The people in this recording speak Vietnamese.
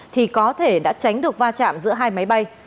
thì có thể đã tránh được va chạm giữa hai máy bay